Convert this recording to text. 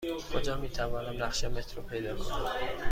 کجا می توانم نقشه مترو پیدا کنم؟